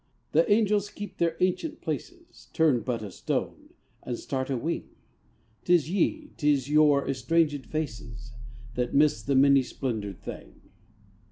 The angels keep their ancient places; Turn but a stone, and start a wing! 'Tis ye, 'tis your estrangèd faces, That miss the many splendoured thing.